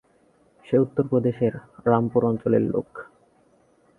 সে উত্তরপ্রদেশের রামপুর অঞ্চলের লোক।